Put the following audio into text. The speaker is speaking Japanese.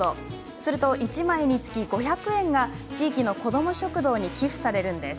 すると１枚につき５００円が地域のこども食堂に寄付されるんです。